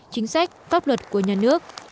chính sách pháp luật của nhà nước